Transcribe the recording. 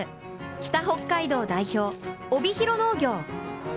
北北海道代表・帯広農業。